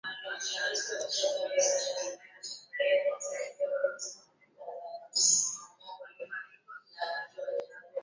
serikali itaanzisha mfumo ya zabuni za mitaji